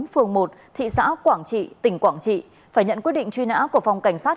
phường một thị xã quảng trị tỉnh quảng trị phải nhận quyết định truy nã của phòng cảnh sát